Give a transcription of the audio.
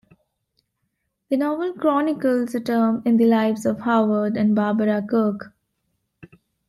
The novel chronicles a term in the lives of Howard and Barbara Kirk.